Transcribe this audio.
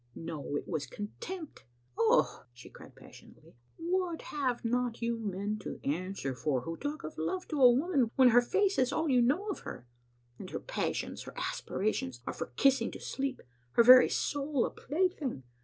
"No, it was contempt. Oh," she cried passionately, " what have not you men to answer for who talk of love to a woman when her face is all you know of her; and her passions, her aspirations, are for kissing to sleep, her very soul a plaything?